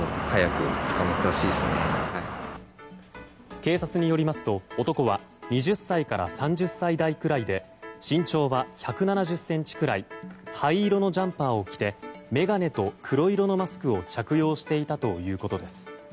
警察によりますと男は２０歳から３０歳代くらいで身長は１７０ｃｍぐらい灰色のジャンパーを着て眼鏡と黒色のマスクを着用していたということです。